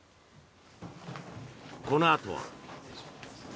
このあとは。